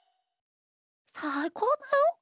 さいこうだよ！